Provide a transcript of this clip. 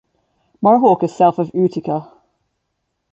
Mohawk is south of Utica.